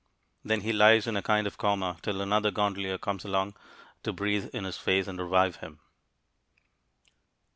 Then he lies in a kind of coma till another gondolier comes along to breathe in his face and revive him.